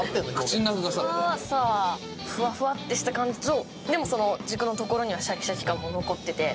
フワフワってした感じとでもその軸の所にはシャキシャキ感も残ってて。